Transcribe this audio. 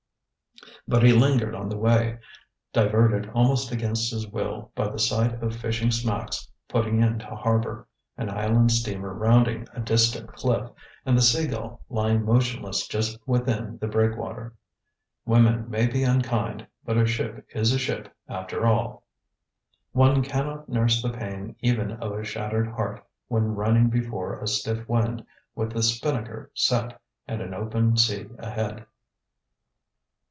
But he lingered on the way, diverted almost against his will by the sight of fishing smacks putting into harbor, an island steamer rounding a distant cliff, and the Sea Gull lying motionless just within the breakwater. Women may be unkind, but a ship is a ship, after all. One can not nurse the pain even of a shattered heart when running before a stiff wind with the spinnaker set and an open sea ahead.